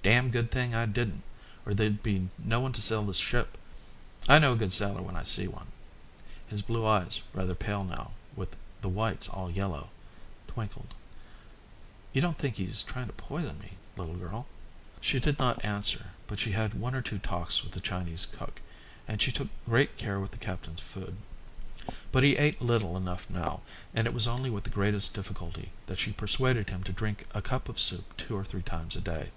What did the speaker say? "Damned good thing I didn't, or there'd be no one to sail the ship. I know a good sailor when I see one." His blue eyes, rather pale now, with the whites all yellow, twinkled. "You don't think he's trying to poison me, little girl?" She did not answer, but she had one or two talks with the Chinese cook, and she took great care with the captain's food. But he ate little enough now, and it was only with the greatest difficulty that she persuaded him to drink a cup of soup two or three times a day.